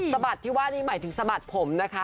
บัดที่ว่านี่หมายถึงสะบัดผมนะคะ